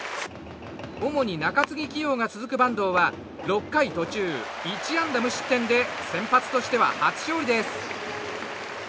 主に中継ぎ起用が続く板東は６回途中、１安打無失点で先発としては初勝利です。